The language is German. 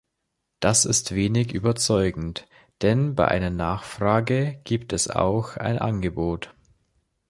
Das ist wenig überzeugend, denn bei einer Nachfrage gibt es auch ein Angebot.